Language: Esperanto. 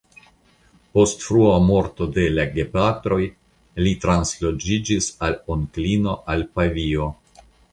Post frua morto de la gepatroj li transloĝiĝis al onklino al Pavio.